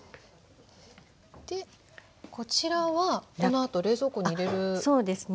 こちらはこのあと冷蔵庫に入れるんですね。